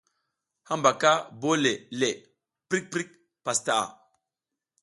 Hambaka bole le, prik prik pastaʼa.